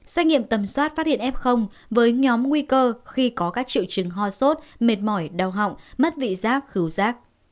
xét nghiệm tầm soát phát hiện f với nhóm nguy cơ khi có các triệu chứng ho sốt mệt mỏi đau họng mất vị giác cứu giác